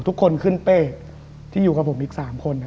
ทุกคนขึ้นเป้ที่อยู่กับผมอีก๓คน